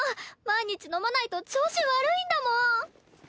毎日飲まないと調子悪いんだもん。